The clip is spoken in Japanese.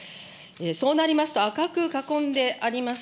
そうなりますと、赤く囲んであります